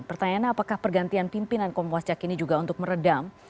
pertanyaannya apakah pergantian pimpinan komwasjak ini juga untuk meredam